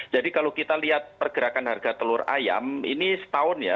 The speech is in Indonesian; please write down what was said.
jadi kalau kita lihat pergerakan harga telur ayam ini setahun ya